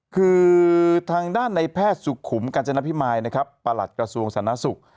คือทางด้านในแพทย์สุขุมกาญจนพิมายนะครับประหลัดกระทรวงสาธารณสุข